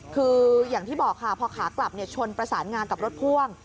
คืออย่างที่บอกค่ะพอขากลับชนประสานงากับรถพ่วง